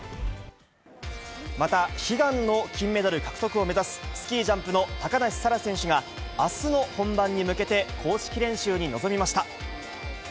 また、悲願の金メダル獲得を目指す、スキージャンプの高梨沙羅選手が、あすの本番に向けて、公式練習に臨みました。